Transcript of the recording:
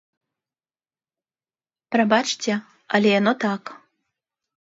Прабачце, але яно так.